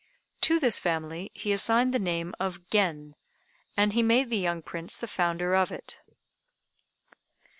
To this family he assigned the name of Gen, and he made the young Prince the founder of it.